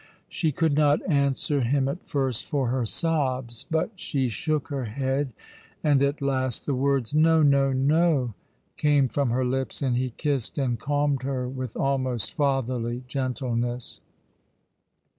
She could not answer him at first for her sobs, but she shook her head, and at last the words, " No, no, no," came from her lips ; and he kissed and calmed her with almost fatherly gentleness.